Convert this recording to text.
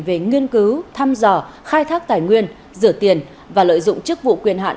về nghiên cứu thăm dò khai thác tài nguyên rửa tiền và lợi dụng chức vụ quyền hạn